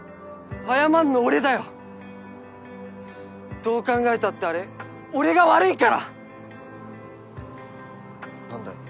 謝んの俺だよどう考えたってあれ俺が悪いからなんだよ？